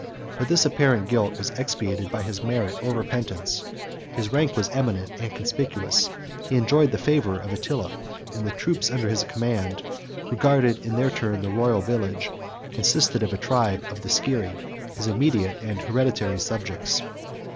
But this apparent guilt was expiated by his merit or repentance; his rank was eminent and conspicuous; he enjoyed the favor of Attila; and the troops under his command, who guarded, in their turn, the royal village, consisted of a tribe of Scyrri, his immediate and hereditary subjects.